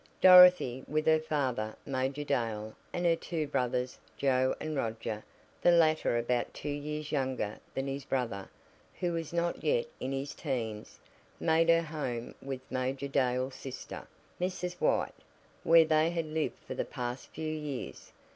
Dorothy, with her father, Major Dale, and her two brothers, Joe and Roger, the latter about two years younger than his brother, who was not yet in his 'teens, made her home with Major Dale's sister, Mrs. White, where they had lived for the past few years.